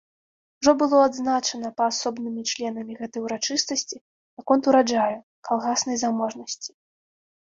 Ужо было адзначана паасобнымі членамі гэтай урачыстасці наконт ураджаю, калгаснай заможнасці.